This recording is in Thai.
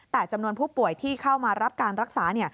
แต่จำนวนผู้ป่วยที่เข้ามารับการรักษา